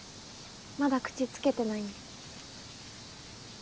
まだ口付けてないんで。